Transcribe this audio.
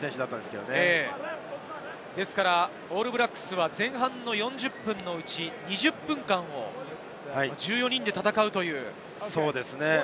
ですからオールブラックスは前半４０分のうち２０分間を１４人で戦うということになります。